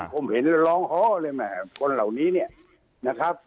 ผมเห็นแล้วร้องฮ้อเลยแหมคนเหล่านี้เนี่ยนะครับ